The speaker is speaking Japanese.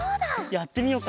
やってみようか。